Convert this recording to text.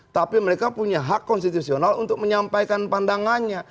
tapi mereka punya hak konstitusional untuk menyampaikan pandangannya